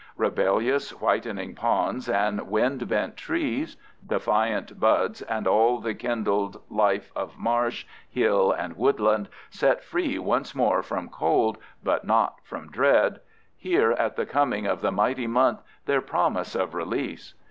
Rebellious, whitening ponds and wind bent trees; defiant buds and all the kindled life of marsh, hill, and woodland, set free once more from cold, but not from dread—hear at the coming of the mighty month their promise of release.